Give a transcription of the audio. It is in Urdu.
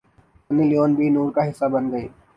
سنی لیون بھی نور کا حصہ بن گئیں